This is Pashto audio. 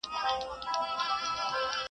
پوليس کور پلټي او حقايق لټوي مګر بشپړ نه مومي.